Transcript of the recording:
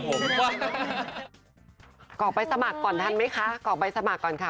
กรอกใบสมัครก่อนทันไหมคะกรอกใบสมัครก่อนค่ะ